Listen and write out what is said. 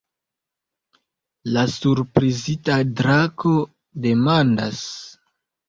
La surprizita drako demandas.